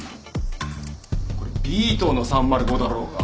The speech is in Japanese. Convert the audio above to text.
これＢ棟の３０５だろうが。